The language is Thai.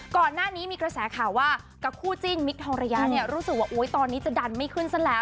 ก่อนหน้านี้มีกระแสข่าวว่ากับคู่จิ้นมิคทองระยะเนี่ยรู้สึกว่าตอนนี้จะดันไม่ขึ้นซะแล้ว